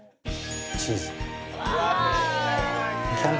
チーズ。